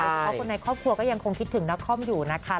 เพราะคนในครอบครัวก็ยังคงคิดถึงนครอยู่นะคะ